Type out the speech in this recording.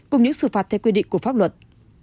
cùng những xử phạt theo quy định của pháp luật